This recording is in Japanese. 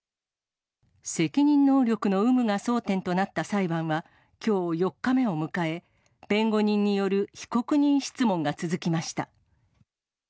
責任能力の有無が争点となった裁判は、きょう、４日目を迎え、弁護人による被告人質問が続きました。